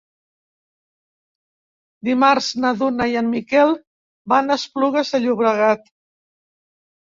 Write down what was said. Dimarts na Duna i en Miquel van a Esplugues de Llobregat.